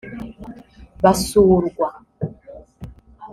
basurwa